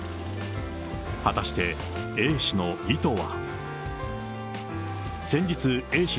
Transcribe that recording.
果たしてＡ氏の意図は。